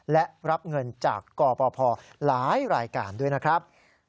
และรับเงินจากกปภหลายรายการด้วยนะครับ